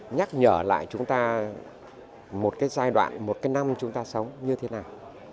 nhắc nhở lại chúng ta một cái giai đoạn một cái năm chúng ta sống như thế nào